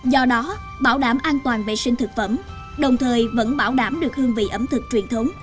do đó bảo đảm an toàn vệ sinh thực phẩm đồng thời vẫn bảo đảm được hương vị ẩm thực truyền thống